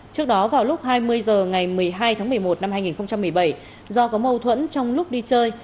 trước đó vào lúc hai mươi h ngày một mươi hai tháng một mươi một năm hai nghìn một mươi bảy do có mâu thuẫn trong lúc đi chơi